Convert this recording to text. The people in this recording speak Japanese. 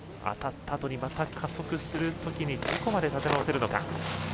当たったあとにまた加速するときにどこまで立て直せるのか。